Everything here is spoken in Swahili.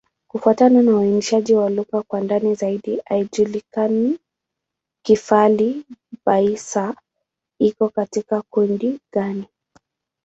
Kufuatana na uainishaji wa lugha kwa ndani zaidi, haijulikani Kifali-Baissa iko katika kundi gani.